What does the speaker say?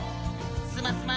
スマスマ。